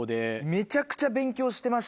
めちゃくちゃ勉強してましたし。